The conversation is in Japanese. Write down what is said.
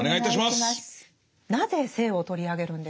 なぜ「性」を取り上げるんでしょうか？